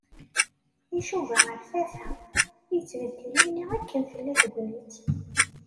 Icuba ar tata. Yettbeddil ini akken tella tegnit.